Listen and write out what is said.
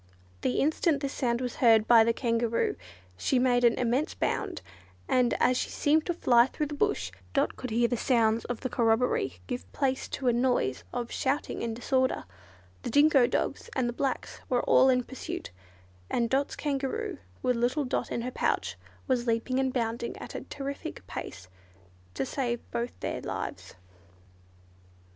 The instant this sound was heard by the Kangaroo, she made an immense bound, and as she seemed to fly through the bush, Dot could hear the sounds of the corroboree give place to a noise of shouting and disorder: the dingo dogs and the Blacks were all in pursuit, and Dot's Kangaroo, with little Dot in her pouch, was leaping and bounding at a terrific pace to save both their lives!